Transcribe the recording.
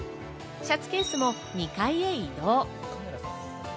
シャツケースも２階へ移動。